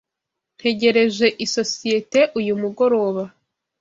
Ntegereje isosiyete uyu mugoroba.